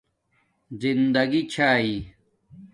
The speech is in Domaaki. زندگی چھائ